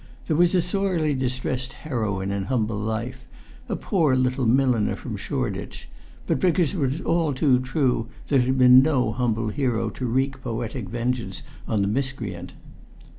There was a sorely distressed heroine in humble life a poor little milliner from Shoreditch but because it was all too true, there had been no humble hero to wreak poetic vengeance on the miscreant.